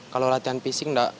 kalau latihan fisik tidak terbatas